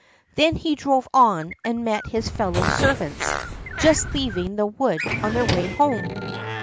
Then he drove on and met his fellow servants just leaving the wood on their way home.